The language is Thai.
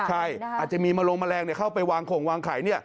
ใช่อาจจะมีมะลงแมลงเข้าไปวางโข่งวางไข่